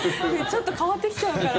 ちょっと変わってきちゃうから。